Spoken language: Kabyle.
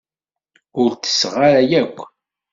Ur tesseɣ ara akk.